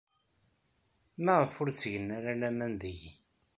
Maɣef ur ttgen ara laman deg-i?